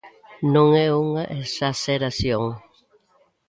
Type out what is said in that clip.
Non é unha exaxeración.